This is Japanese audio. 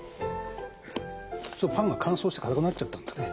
パンが乾燥してかたくなっちゃったんだね。